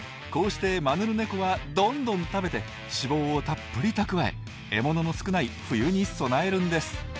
こうしてマヌルネコはどんどん食べて脂肪をたっぷり蓄え獲物の少ない冬に備えるんです。